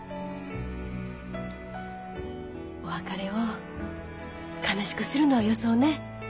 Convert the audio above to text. お別れを悲しくするのよそうね。